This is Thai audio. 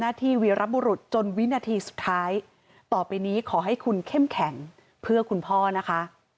ที่วีรบุรุษจนวินาทีสุดท้ายต่อไปนี้ขอให้คุณเข้มแข็งเพื่อคุณพ่อนะคะ